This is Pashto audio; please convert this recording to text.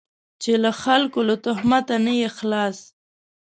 چې له خلکو له تهمته نه یې خلاص.